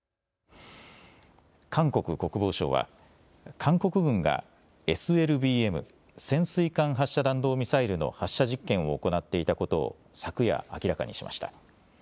韓国国防省は韓国軍がＳＬＢＭ・潜水艦発射弾道ミサイルの発射実験を行っていたことを昨夜、明らかにしました。